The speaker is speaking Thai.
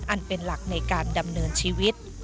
อันเป็นหลักในการดำเนินชีวิต